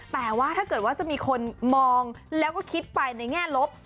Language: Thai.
แต่ว่าถ้าเกิดว่าจะมีคนมองแล้วก็คิดไปในแง่ลบ